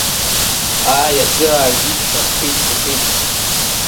Ааи, аӡы аажәит, ҳа рҳәит, иҳәит.